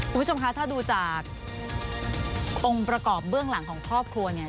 คุณผู้ชมคะถ้าดูจากองค์ประกอบเบื้องหลังของครอบครัวเนี่ย